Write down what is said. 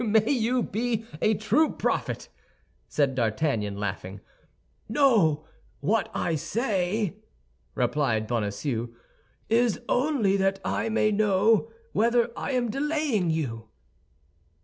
"Ah, may you be a true prophet!" said D'Artagnan, laughing. "No; what I say," replied Bonacieux, "is only that I may know whether I am delaying you."